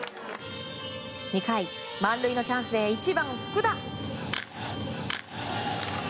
２回、満塁のチャンスで１番、福田。